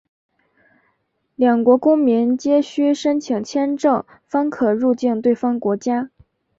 两国公民皆须申请签证方可入境对方国家。